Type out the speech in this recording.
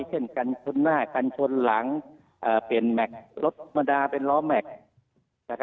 เช่นกันชนหน้ากันชนหลังเปลี่ยนแม็กซ์รถบรรดาเป็นล้อแม็กซ์